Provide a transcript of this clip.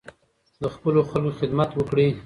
د خپلو خلکو خدمت وکړئ.